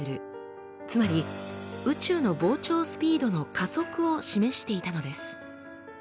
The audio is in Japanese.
つまり宇宙の膨張スピードの加速を示していたのです。